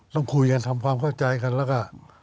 ต้องคุยกันทำความเข้าใจกันแล้วก็